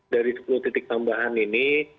dari sepuluh titik tambahan ini